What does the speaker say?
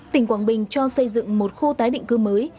tỉnh quảng bình cho xây dựng một khu tái định cư mới